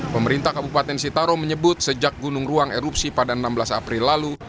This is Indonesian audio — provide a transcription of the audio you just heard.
pemerintah kabupaten sitaro menyebut sejak gunung ruang erupsi pada enam belas april lalu